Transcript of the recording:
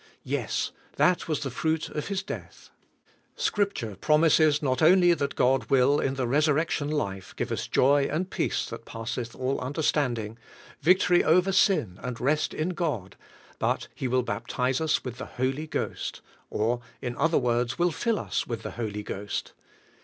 Yes, that was the fruit of His death. Scripture promises not only that God will, in the resurrection life, give us joy, and peace that passeth all understand ing, victory over sin, and rest in God, but He will baptize us with the Holy Ghost; or, in other words, will fill us with the Holy Ghost.